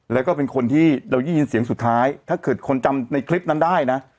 แล้วก็เป็นคนที่เราได้ยินเสียงสุดท้ายถ้าเกิดคนจำในคลิปนั้นได้นะ